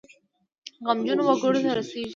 غمجنو وګړو ته رسیږي.